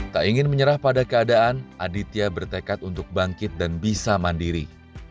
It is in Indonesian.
tak ingin menyerah pada keadaan aditya bertekad untuk bangkit dan bisa mandiri